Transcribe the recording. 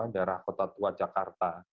daerah kota tua jakarta